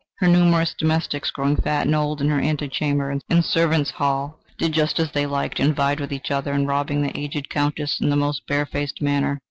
Her numerous domestics, growing fat and old in her ante chamber and servants' hall, did just as they liked, and vied with each other in robbing the aged Countess in the most bare faced manner.